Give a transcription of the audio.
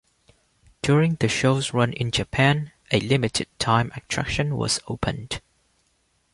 During the show's run in Japan, a limited time attraction was opened.